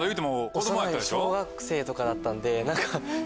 小学生とかだったんで何か。